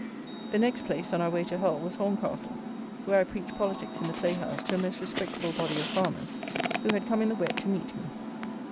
The next place, on our way to Hull, was Horncastle, where I preached politics in the playhouse to a most respectable body of farmers, who had come in the wet to meet me.